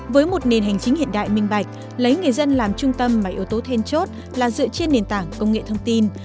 với một nền hành chính hiện đại minh bạch lấy người dân làm trung tâm mà yếu tố then chốt là dựa trên nền tảng công nghệ thông tin